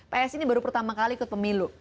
psi ini baru pertama kali ikut pemilu